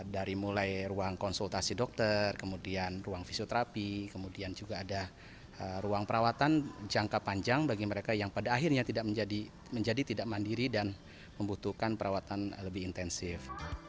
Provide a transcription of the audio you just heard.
dari mulai ruang konsultasi dokter kemudian ruang fisioterapi kemudian juga ada ruang perawatan jangka panjang bagi mereka yang pada akhirnya tidak menjadi tidak mandiri dan membutuhkan perawatan lebih intensif